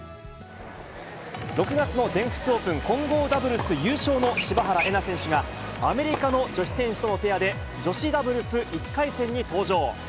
６月の全仏オープン混合ダブルス優勝の柴原瑛菜選手が、アメリカの女子選手とのペアで、女子ダブルス１回戦に登場。